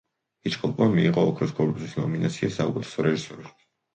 ჰიჩკოკმა მიიღო ოქროს გლობუსის ნომინაცია საუკეთესო რეჟისორისთვის.